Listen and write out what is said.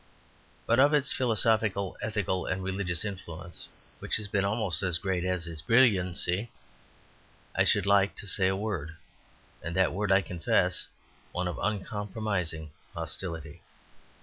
But of its philosophical, ethical, and religious influence which has been almost as great as its brilliancy, I should like to say a word, and that word, I confess, one of uncompromising hostility.